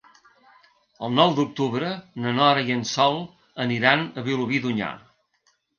El nou d'octubre na Nora i en Sol aniran a Vilobí d'Onyar.